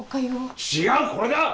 違うこれだ！